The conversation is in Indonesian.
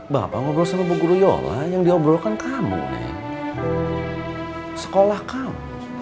bapak ngobrol sama bu guliyola yang diobrolkan kamu nek sekolah kamu